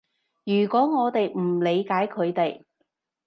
如果我哋唔理解佢哋